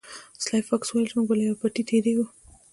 سلای فاکس وویل چې موږ به له یوه پټي تیریږو